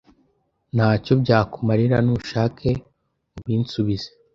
Ntacyo byakumarira nushake ubinsubize